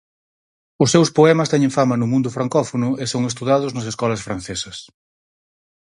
Os seus poemas teñen fama no mundo francófono e son estudados nas escolas francesas.